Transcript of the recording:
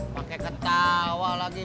pakai ketawa lagi